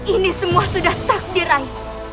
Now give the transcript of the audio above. ini semua sudah takdir rai